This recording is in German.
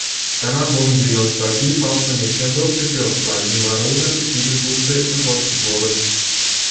Danach wurden die Nostalgiefahrten nicht mehr durchgeführt, weil die maroden Schienenbusse verschrottet wurden.